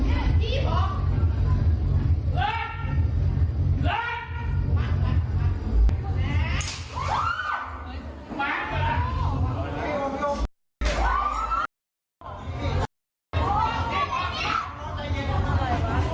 อุ๊ยจับอะไรละ